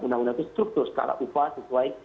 undang undang itu struktur skala upah sesuai